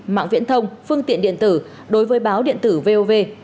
mạng viễn thông phương tiện điện tử đối với báo điện tử vov